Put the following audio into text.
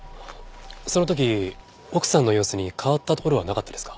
その時奥さんの様子に変わったところはなかったですか？